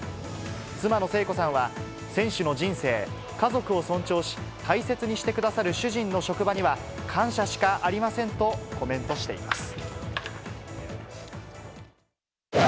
妻の聖子さんは、選手の人生、家族を尊重し、大切にしてくださる主人の職場には、感謝しかありませんとコメントしています。